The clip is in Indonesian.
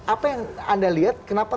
apa yang anda lihat kenapa